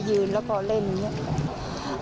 ยืนแล้วก็เล่นอย่างนี้